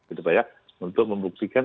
gitu pak ya untuk membuktikan